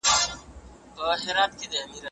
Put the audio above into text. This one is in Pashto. موږ باید له تضاد او ګډوډۍ لاس واخلو.